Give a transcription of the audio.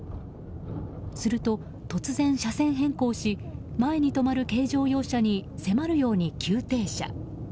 すると突然、車線変更し前に止まる軽乗用車に迫るように急停車。